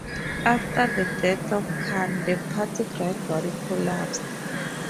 After the death of Khan, the party gradually collapsed.